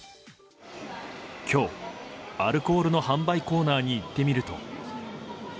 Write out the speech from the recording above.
今日、アルコールの販売コーナーに行ってみると。